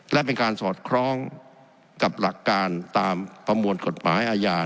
และเป็นการสอดคล้องกับหลักการตามประมวลกฎหมายอาญา